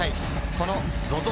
このＺＯＺＯ